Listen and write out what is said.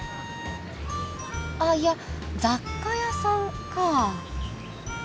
あっいや雑貨屋さんかあ。